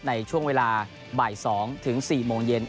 ในช่วงเวลาบ่าย๒ถึง๔โมงเย็น